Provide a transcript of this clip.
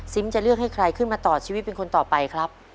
จะเลือกให้ใครขึ้นมาต่อชีวิตเป็นคนต่อไปครับ